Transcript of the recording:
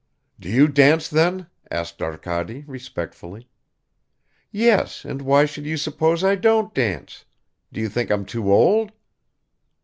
"Do you dance then?" asked Arkady respectfully. "Yes, and why should you suppose I don't dance? Do you think I'm too old?"